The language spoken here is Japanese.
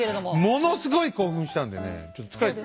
ものすごい興奮したんでねちょっと疲れた。